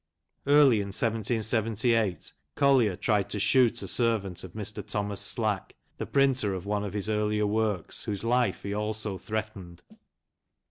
Early in 1778 Collier tried to shoot a servant of Mr. Thomas Slack, the printer of one of his earlier works, whose life he also threatened.